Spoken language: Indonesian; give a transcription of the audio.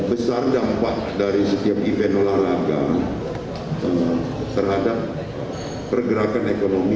begitu besar dan besar kita harus menambahkan ekonomi